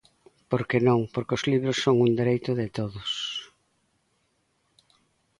Porque non, porque os libros son un dereito de todos.